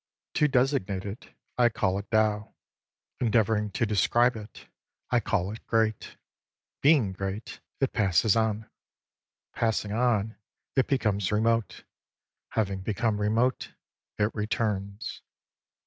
To designate it, I call it Tao. Endeavouring to describe it, I call it Great. 20 Being great, it passes on ; passing on, it becomes remote ; having become remote, it returns.